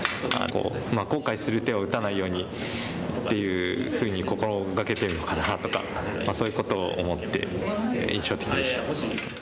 後悔する手は打たないようにっていうふうに心掛けてるのかなとかそういうことを思って印象的でした。